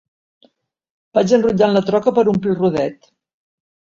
Vaig enrotllant la troca per omplir el rodet.